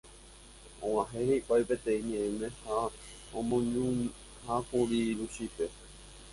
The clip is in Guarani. Og̃uahẽ hikuái peteĩ ñe'ẽme ha omoñuhãkuri Luchípe.